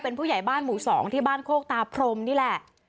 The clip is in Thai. เป็นผู้ใหญ่บ้านหมู่๒ที่บ้านโคกตาพรมนี่แหละ